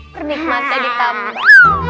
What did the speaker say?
pernikmatan di tamu